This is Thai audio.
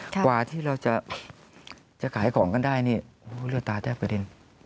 กว่าที่เราจะขายของกันได้นี่เลือดตาแทบกระเด็น